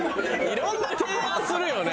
いろんな提案するよね！